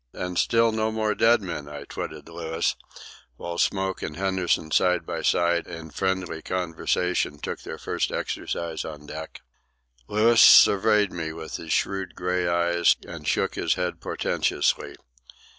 "And still no more dead men," I twitted Louis, when Smoke and Henderson, side by side, in friendly conversation, took their first exercise on deck. Louis surveyed me with his shrewd grey eyes, and shook his head portentously.